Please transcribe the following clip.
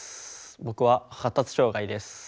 僕は発達障害です。